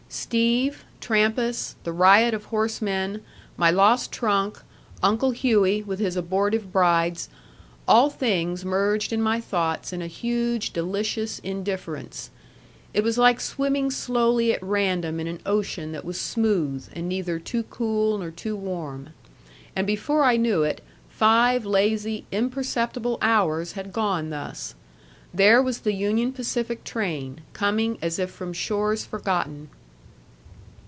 Steve, Trampas, the riot of horsemen, my lost trunk, Uncle Hughey, with his abortive brides all things merged in my thoughts in a huge, delicious indifference. It was like swimming slowly at random in an ocean that was smooth, and neither too cool nor too warm. And before I knew it, five lazy imperceptible hours had gone thus. There was the Union Pacific train, coming as if from shores forgotten.